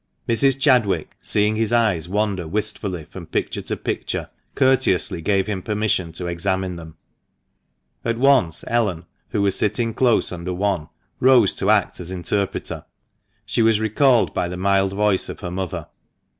Mrs. Chadwick, seeing his eyes wander wistfully from picture to picture, courteously gave him permission to examine them. At. once Ellen, who was sitting close under one, rose to act as interpreter. She was recalled by the mild voice of her mother.